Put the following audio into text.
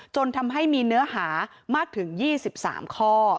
จนทำให้มีเนื้อหามากถึง๒๓ข้อ